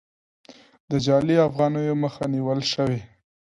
د جعلي افغانیو مخه نیول شوې؟